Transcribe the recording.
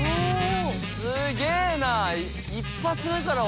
すげぇな。